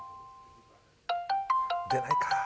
出ないか。